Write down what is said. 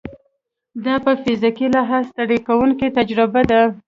دا په فزیکي لحاظ ستړې کوونکې تجربه ده.